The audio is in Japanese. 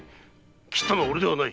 斬ったのは俺ではない。